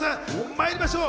まいりましょう！